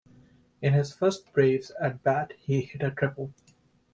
In his first Braves at-bat he hit a triple.